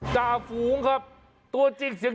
จ่าฝูงครับตัวจริงครับ